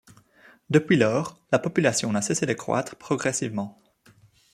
Depuis lors, la population n'a cessé de croître progressivement.